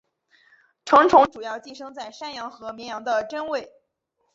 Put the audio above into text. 成虫主要寄生在山羊和绵羊的真胃。